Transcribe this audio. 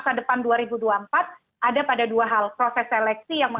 jangan jangan jangan nge bom observasi kamu